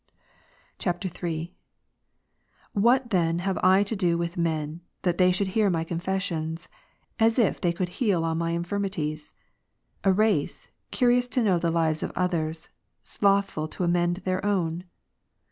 [III.] 3. What then have I to do with men, that they should hear my confessions; as if they could heal all my Ps. 103, infirmities ? A race, curious to know the lives of others, ' slothful to amend their own.